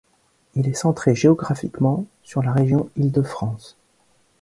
Il est centré géographiquement sur la région Île-de-France.